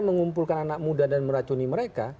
mengumpulkan anak muda dan meracuni mereka